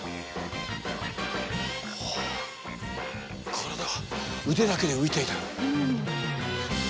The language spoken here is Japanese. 体が腕だけで浮いている。